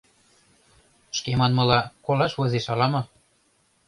Шке манмыла, колаш возеш ала-мо.